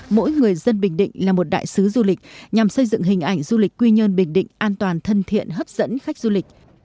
mỗi người dân bình định là một đại sứ du lịch nhằm xây dựng hình ảnh du lịch quy nhơn bình định an toàn thân thiện hấp dẫn khách du lịch